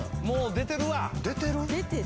出てる？